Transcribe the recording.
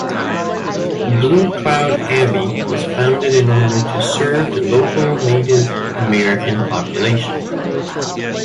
Blue Cloud Abbey was founded in order to serve the local Native American population.